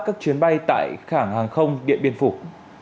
các chuyến bay tại khảng hàng không điện biên phục